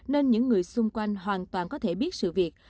nên những người xung quanh hoàn toàn có thể biết sự việc